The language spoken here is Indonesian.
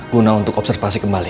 guna untuk observasi kembali